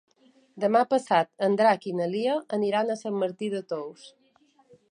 Demà passat en Drac i na Lia aniran a Sant Martí de Tous.